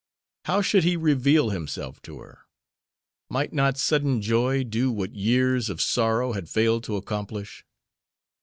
How should he reveal himself to her? Might not sudden joy do what years of sorrow had failed to accomplish?